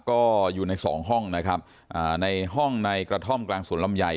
ก็อยู่ในสองห้องนะครับอ่าในห้องในกระท่อมกลางสวนลำไย